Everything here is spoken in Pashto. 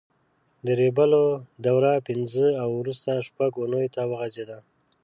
د ریبلو دوره پینځه او وروسته شپږ اوونیو ته وغځېده.